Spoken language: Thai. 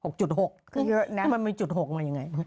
๖๖ก็เยอะนะมันมี๖มันยังไง